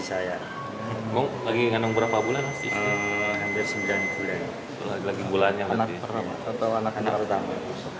anak perang atau anak anak utama